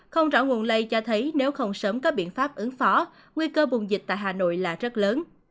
không rõ nguồn lây cho thấy nếu không sớm có biện pháp ứng phó nguy cơ bùng dịch tại hà nội là rất lớn